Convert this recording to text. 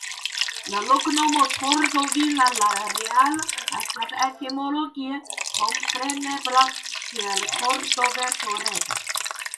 La loknomo "Cordovilla la Real" estas etimologie komprenebla kiel Kordoveto Reĝa.